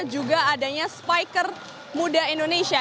juga adanya spiker muda indonesia